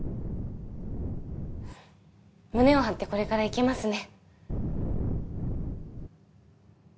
胸を張ってこれから行けますね。